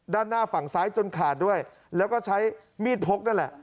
ด้านหน้าฝั่งซ้ายจนขาดด้วยแล้วก็ใช้มีดพกนั่นแหละ